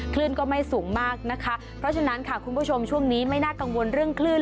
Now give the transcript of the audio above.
คลื่นก็ไม่สูงมากนะคะเพราะฉะนั้นค่ะคุณผู้ชมช่วงนี้ไม่น่ากังวลเรื่องคลื่น